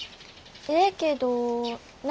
ええけど何やの？